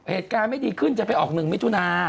เหตุการณ์ไม่ดีขึ้นจะไปออก๑มิถุนา